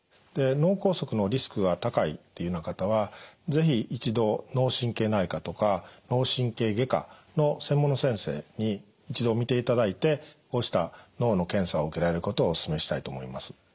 で脳梗塞のリスクが高いっていうような方は是非一度脳神経内科とか脳神経外科の専門の先生に一度診ていただいてこうした脳の検査を受けられることをおすすめしたいと思います。